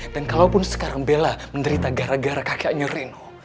dan kalaupun sekarang bella menderita gara gara kakeknya reno